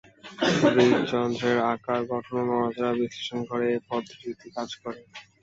হৃদ্যন্ত্রের আকার, গঠন ও নড়াচড়া বিশ্লেষণ করে এ পদ্ধতিটি কাজ করে।